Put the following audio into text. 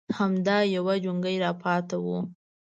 _همدا يو جونګۍ راپاتې و.